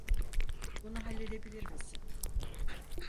Bunu halledebilir misin?